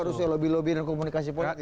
rusya lobby lobby dan komunikasi politik